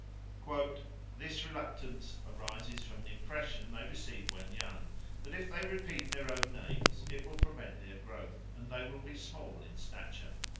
"This reluctance arises from an impression they receive when young, that if they repeat their own names it will prevent their growth, and they will be small in stature.